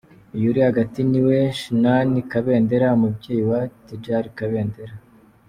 Uyu uri hagati niwe Shinani Kabendera, umubyeyi wa Tidjara Kabendera.